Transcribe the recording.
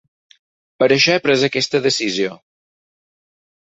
Per això he pres aquesta decisió.